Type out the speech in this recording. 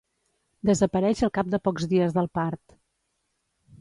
Desapareix al cap de pocs dies del part.